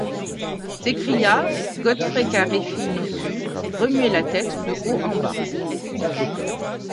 s’écria Godfrey Carèfinotu remuait la tête de haut en bas.